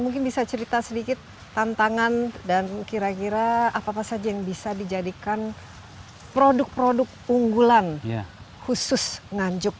mungkin bisa cerita sedikit tantangan dan kira kira apa apa saja yang bisa dijadikan produk produk unggulan khusus nganjuk